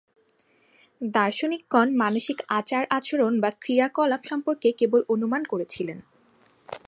দার্শনিকগণ মানসিক আচার-আচরণ বা ক্রিয়া-কলাপ সম্পর্কে কেবল অনুমান করেছিলেন।